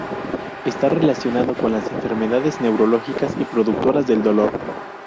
Está relacionado con las enfermedades neurológicas y productoras del dolor.